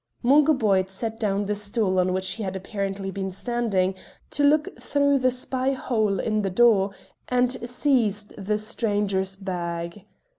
Mungo Boyd set down the stool on which he had apparently been standing to look through the spy hole in the door, and seized the stranger's bag.